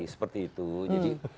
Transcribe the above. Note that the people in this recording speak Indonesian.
seperti itu jadi